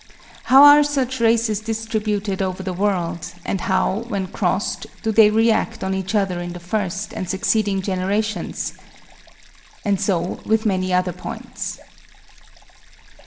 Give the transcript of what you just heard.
How are such races distributed over the world; and how, when crossed, do they react on each other in the first and succeeding generations? And so with many other points.